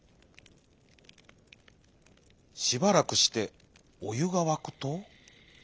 しばらくしておゆがわくと。